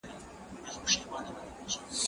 هغه وويل چي شګه مهمه ده،